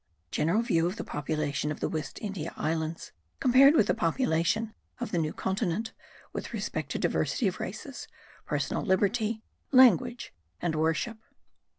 GENERAL VIEW OF THE POPULATION OF THE WEST INDIA ISLANDS, COMPARED WITH THE POPULATION OF THE NEW CONTINENT, WITH RESPECT TO DIVERSITY OF RACES, PERSONAL LIBERTY, LANGUAGE, AND WORSHIP.